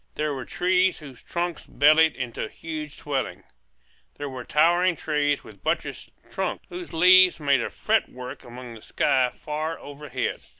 There were trees whose trunks bellied into huge swellings. There were towering trees with buttressed trunks, whose leaves made a fretwork against the sky far overhead.